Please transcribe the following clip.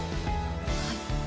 はい。